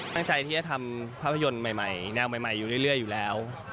ตั้งใจที่จะทำภาพยนตร์ใหม่แนวใหม่อยู่เรื่อยอยู่แล้ว